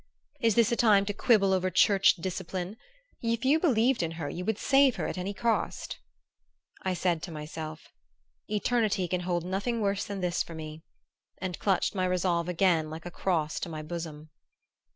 "Is this a time to quibble over church discipline? If you believed in her you would save her at any cost!" I said to myself, "Eternity can hold nothing worse than this for me " and clutched my resolve again like a cross to my bosom.